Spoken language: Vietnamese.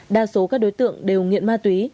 đa số các đối tượng đều nghiện ma túy